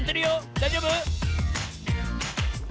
だいじょうぶ？